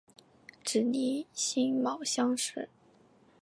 直隶辛卯乡试。